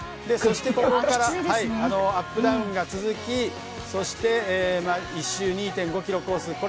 そのあとアップダウンが続きそして、１周２．５ｋｍコース。